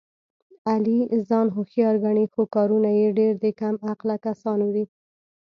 علي ځان هوښیار ګڼي، خو کارونه یې ډېر د کم عقله کسانو دي.